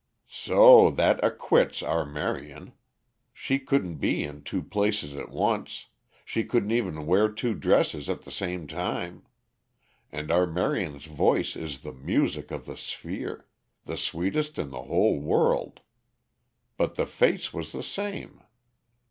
"So that acquits our Marion. She couldn't be in two places at once; she couldn't even wear two dresses at the same time. And our Marion's voice is the music of the sphere the sweetest in the whole world. But the face was the same."